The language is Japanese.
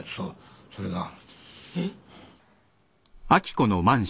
それが。えっ？